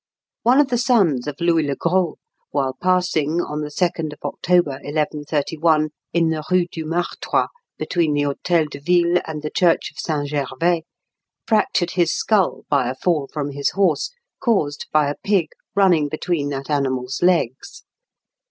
One of the sons of Louis le Gros, while passing, on the 2nd of October, 1131, in the Rue du Martroi, between the Hôtel de Ville and the church of St. Gervais, fractured his skull by a fall from his horse, caused by a pig running between that animal's legs.